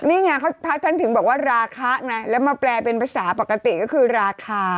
นี่ไงท่านถึงบอกว่าราคาไงแล้วมาแปลเป็นภาษาปกติก็คือราคา